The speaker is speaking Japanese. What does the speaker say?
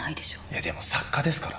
いやでも作家ですから。